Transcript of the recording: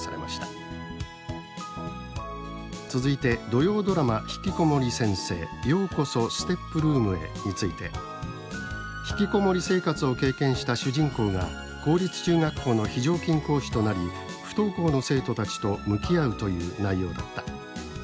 続いて土曜ドラマひきこもり先生「ようこそ！ＳＴＥＰルームへ」について「ひきこもり生活を経験した主人公が公立中学校の非常勤講師となり不登校の生徒たちと向き合うという内容だった。